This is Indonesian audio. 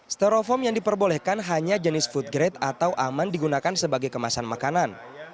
stereofoam yang diperbolehkan hanya jenis food grade atau aman digunakan sebagai kemasan makanan